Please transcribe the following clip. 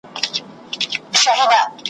مرمۍ اغېزه نه کوي ,